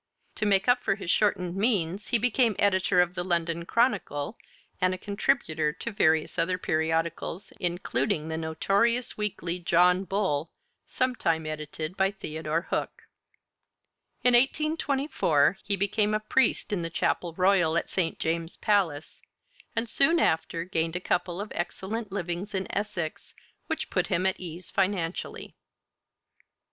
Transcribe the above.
To make up for his shortened means he became editor of the London Chronicle and a contributor to various other periodicals, including the notorious weekly John Bull, sometime edited by Theodore Hook. In 1824 he became a priest in the Chapel Royal at St. James's Palace, and soon after gained a couple of excellent livings in Essex, which put him at ease financially.